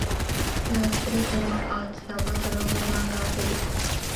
He was present at the Battle of Bunker Hill.